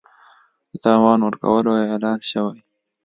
د تاوان ورکولو اعلان شوی